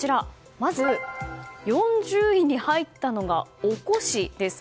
まず４０位に入ったのがおこしです。